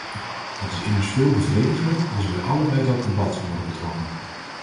Het is immers veel bevredigender als wij allen bij dat debat worden betrokken.